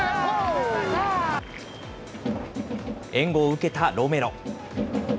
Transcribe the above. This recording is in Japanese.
援護を受けたロメロ。